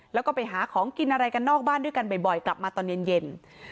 แล้วก็ไปหาของกินอะไรกันนอกบ้านด้วยกันบ่อยกลับมาตอนเย็น